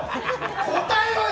答えろよ！